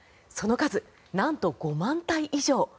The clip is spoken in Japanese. その数、なんと５万体以上。